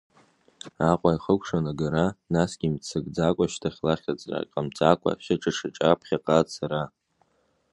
Аҟәа иахыкәшан агара, насгьы имццакӡакәа, шьҭахьла хьаҵра ҟамҵакәа, шьаҿа-шьаҿа ԥхьаҟа ацара.